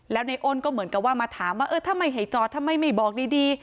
แล้วในอ้นก็เหมือนกับว่ามาถามว่าเออทำไมให้จอดทำไมไม่บอกดี